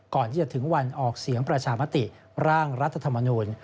ก่อนที่จะถึงวันออกเสียงประชามติร่างรัฐธรรมนูล